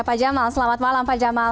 pak jamal selamat malam pak jamal